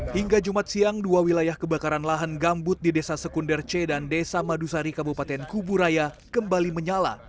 hingga jumat siang dua wilayah kebakaran lahan gambut di desa sekunder c dan desa madusari kabupaten kuburaya kembali menyala